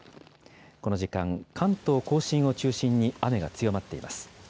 この時間、関東甲信を中心に雨が強まっています。